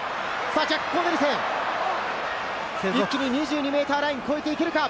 ジャック・コーネルセン、一気に２２ｍラインを越えていけるか？